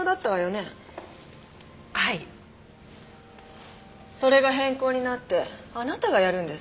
それが変更になってあなたがやるんですって？